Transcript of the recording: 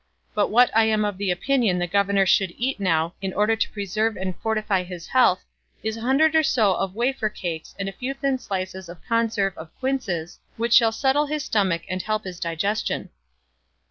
But what I am of opinion the governor should eat now in order to preserve and fortify his health is a hundred or so of wafer cakes and a few thin slices of conserve of quinces, which will settle his stomach and help his digestion."